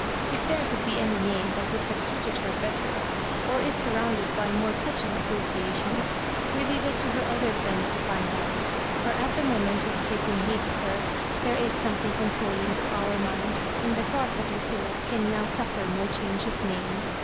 If there could be any name that would have suited her better, or is surrounded by more touching associa tions, we leave it to her other friends to find out; for at the moment of taking leave of her, there is something consoling to our own mind in the thought that Ludlla can now suffer no change of name.